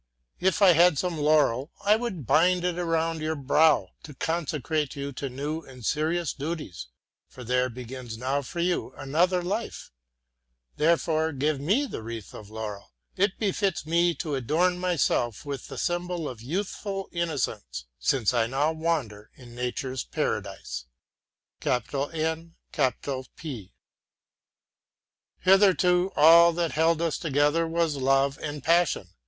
If I had some laurel, I would bind it around your brow to consecrate you to new and serious duties; for there begins now for you another life. Therefore, give to me the wreath of myrtle. It befits me to adorn myself with the symbol of youthful innocence, since I now wander in Nature's Paradise. Hitherto all that held us together was love and passion.